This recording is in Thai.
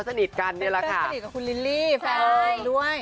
สนิทกับคุณลิลลี่แฟนด้วย